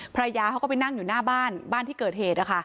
ภรรยาเขาก็ไปนั่งอยู่หน้าบ้านบ้านที่เกิดเหตุ